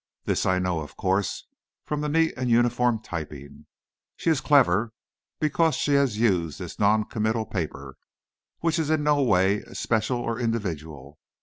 This, I know, of course, from the neat and uniform typing. She is clever, because she has used this non committal paper, which is in no way especial or individual.